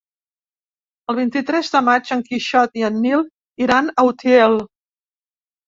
El vint-i-tres de maig en Quixot i en Nil iran a Utiel.